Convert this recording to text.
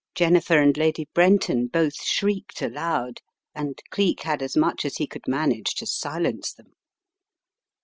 Jennifer and Lady Brenton both shrieked aloud and Cleek had as much as he could manage to silence them.